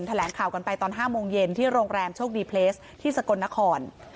แถลงข่าวกันไปตอน๕โมงเย็นที่โรงแรมโชคดีเพลสที่สกลนคร